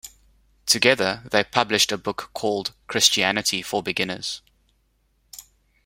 Together, they published a book called "Christianity for Beginners".